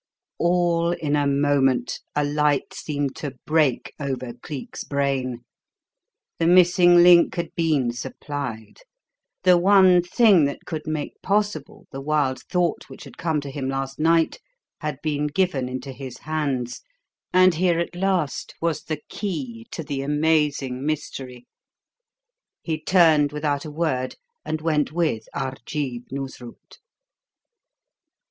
All in a moment a light seemed to break over Cleek's brain. The missing link had been supplied the one thing that could make possible the wild thought which had come to him last night had been given into his hands, and here at last was the key to the amazing mystery! He turned without a word and went with Arjeeb Noosrut.